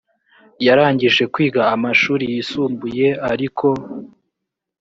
yarangije kwiga amashuri yisumbuye ariko